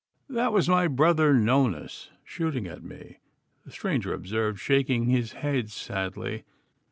'That was my brother Nonus shooting at me,' the stranger observed, shaking his head sadly.